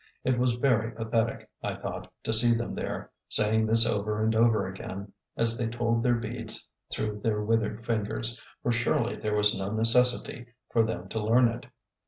It was very pathetic, I thought, to see them there, saying this over and over again, as they told their beads through their withered fingers, for surely there was no necessity for them to learn it.